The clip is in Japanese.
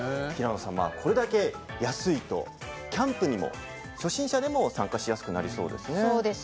これだけ安いとキャンプにも初心者でも参加しやすくなりそうですね。